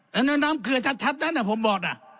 แล้วน้ำเกลือชัดนั้นผมบอกนะ